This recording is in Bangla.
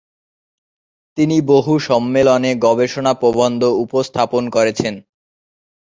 তিনি বহু সম্মেলনে গবেষণা প্রবন্ধ উপস্থাপন করেছেন।